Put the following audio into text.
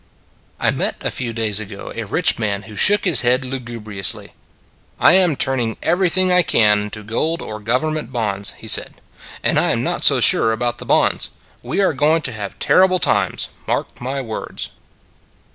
I met a few days ago a rich man who shook his head lugubriously. " I am turn ing everything I can into gold or Govern Your Eyes 105 ment bonds," he said, " and I am not so sure about the bonds. We are going to have terrible times; mark my words."